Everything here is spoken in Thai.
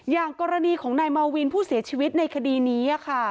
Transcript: อย่างกรณีของนายมาวินผู้เสียชีวิตในคดีนี้ค่ะ